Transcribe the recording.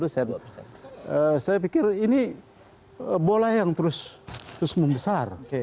saya pikir ini bola yang terus membesar